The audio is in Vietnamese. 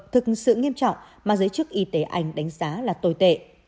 thực sự nghiêm trọng mà giới chức y tế anh đánh giá là tồi tệ